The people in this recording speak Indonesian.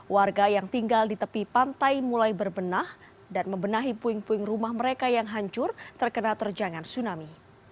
warga yang tinggal di tepi pantai mulai berbenah dan membenahi puing puing rumah mereka yang hancur terkena terjangan tsunami